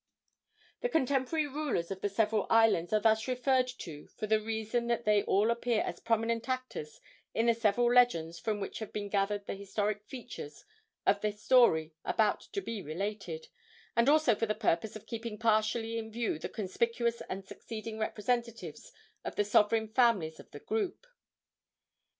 The contemporary rulers of the several islands are thus referred to for the reason that they all appear as prominent actors in the several legends from which have been gathered the historic features of the story about to be related, and also for the purpose of keeping partially in view the conspicuous and succeeding representatives of the sovereign families of the group.